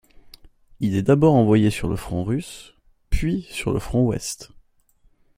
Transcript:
Il est d'abord envoyé sur le front russe, puis sur le front ouest.